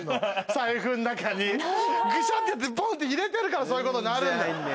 財布の中にグシャッてやってボンって入れてるからそういうことになるんだ